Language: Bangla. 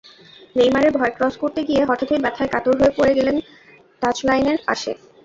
নেইমারের ভয়ক্রস করতে গিয়ে হঠাৎই ব্যথায় কাতর হয়ে পড়ে গেলেন টাচলাইনের পাশে।